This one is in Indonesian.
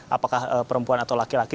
apakah perempuan atau laki laki